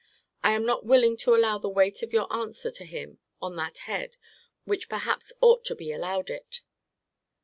I am not willing to allow the weight of your answer to him on that head, which perhaps ought to be allowed it.